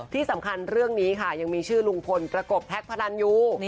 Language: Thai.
ที่สำคัญเรื่องนี้ค่ะยังมีชื่อลุงพลประกบแท็กพนันอยู่